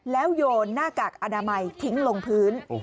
แล้วโยนหน้ากากอนามัยทิ้งลงพื้น